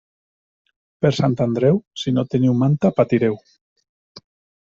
Per Sant Andreu, si no teniu manta, patireu.